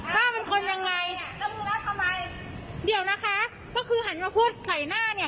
ป้าเป็นคนยังไงเดี๋ยวนะคะก็คือหันมาพูดใส่หน้าเนี่ย